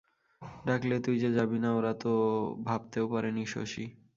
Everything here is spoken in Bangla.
ডাকলে তুই যে যাবি না, ওরা তা ভাবতেও পারেনি শশী।